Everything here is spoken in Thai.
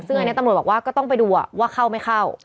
ซึ่งอันนี้ตำรวจบอกว่าก็ต้องไปดูว่าเข้าไม่เข้า